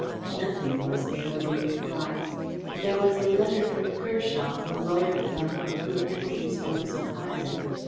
"Nothing," was the level reply. "There was a letter from Kershaw the lawyer fellow of whom Emily spoke so highly.